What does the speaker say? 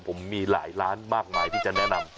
ผมมีหลายร้านมากมายที่จะแนะนำ